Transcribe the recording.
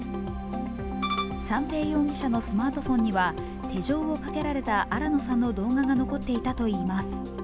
三瓶容疑者のスマートフォンには手錠をかけられた新野さんの動画が残っていたといいます。